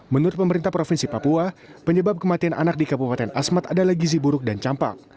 menurut pemerintah provinsi papua penyebab kematian anak di kabupaten asmat adalah gizi buruk dan campak